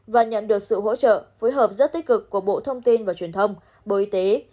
và nhận được sự hỗ trợ phối hợp rất tích cực của bộ thông tin và truyền thông bộ y tế